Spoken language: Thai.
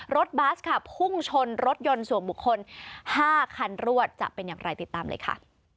บัสค่ะพุ่งชนรถยนต์ส่วนบุคคล๕คันรวดจะเป็นอย่างไรติดตามเลยค่ะ